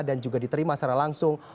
dan juga diterima secara langsung